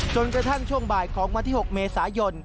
จนกระทั่งช่วงบ่ายของวันที่๖เมษายน